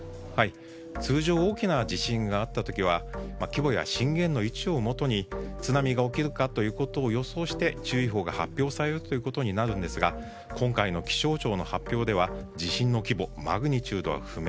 通常、大きな地震があった時は規模や震源の位置をもとに津波が起きるかということを予想して注意報が発表されることになるのですが今回の気象庁の発表では地震の規模マグニチュードは不明。